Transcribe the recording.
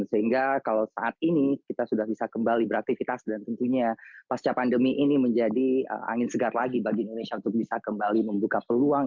sehingga kalau saat ini kita sudah bisa kembali beraktivitas dan tentunya pasca pandemi ini menjadi angin segar lagi bagi indonesia untuk bisa kembali membuka peluang